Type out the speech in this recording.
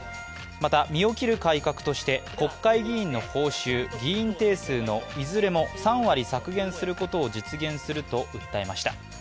また、身を切る改革として国会議員の報酬、議員定数のいずれも３割削減することを実現すると訴えました。